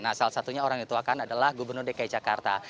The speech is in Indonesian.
nah salah satunya orang dituakan adalah gubernur dki jakarta